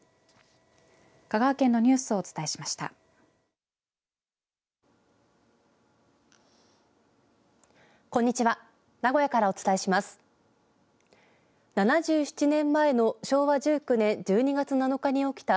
香川県のニュースをお伝えしました。